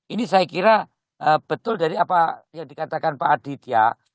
ini saya kira betul dari apa yang dikatakan pak adit ya